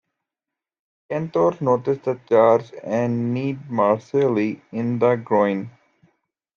Cantore noticed the charge, and kneed Marcelli in the groin.